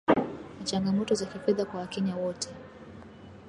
na changamoto za kifedha kwa wakenya wote